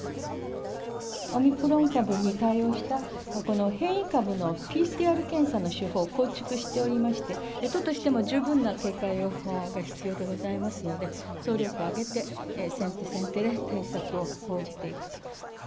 オミクロン株に対応した、この変異株のＰＣＲ検査の手法を構築しておりまして、都としても十分な警戒が必要でございますので、総力を挙げて先手先手で対策を講じていくと。